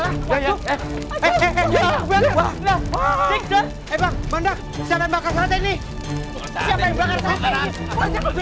hantuk bola tapi tau nama saya kapan kenalannya tuh hari kamu aduh